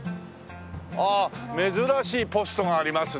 ああ珍しいポストがありますね。